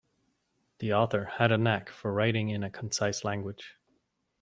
The author had a knack for writing in a concise language.